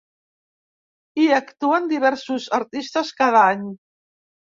Hi actuen diversos artistes cada any.